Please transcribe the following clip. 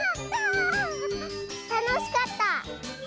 たのしかった！